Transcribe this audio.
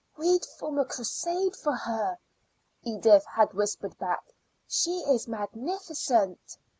"We'd form a crusade for her," Edith had whispered, back. "She is magnificent."